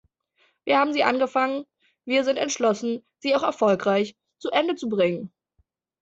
Wir haben sie angefangen, wir sind entschlossen, sie auch erfolgreich zu Ende zu bringen.